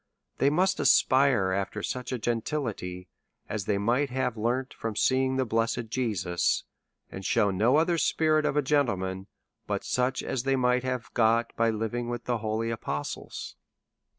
They must aspire after such a gentility as they might have learned from seeing the blessed Jesus, and shew no other spirit of a gentleman but such as they might have got by living with the holy apostles.